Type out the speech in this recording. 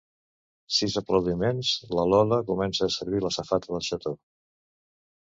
Sis aplaudiments la Lola comença a servir la safata del xató.